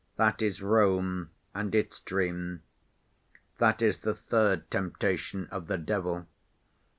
That is Rome and its dream. That is the third temptation of the devil.